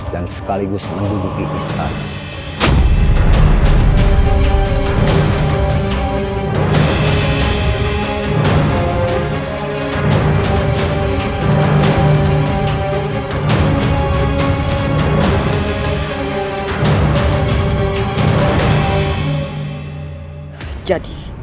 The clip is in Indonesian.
dan sekaligus menduduki istana